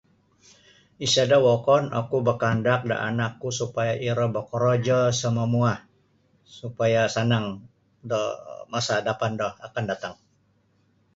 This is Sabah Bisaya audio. Isada wokon oku bakaandak da anakku supaya iro bokorojo samumua supaya sanang do masa dapan do akan datang.